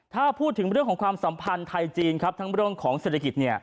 ถ้าพูดถึงเรื่องของความสัมพันธ์ไทยจีนครับทั้งเรื่องของเศรษฐกิจ